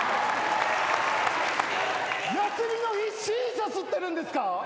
休みの日シーシャ吸ってるんですか！？